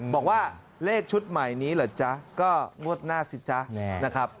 บอกว่าเลขชุดใหม่นี้เหรอจ๊ะก็งวดหน้าสิจ๊ะนะครับ